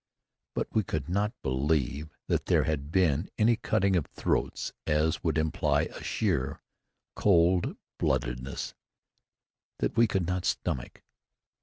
But we could not believe that there had been any cutting of throats as that would imply a sheer cold bloodedness that we could not stomach.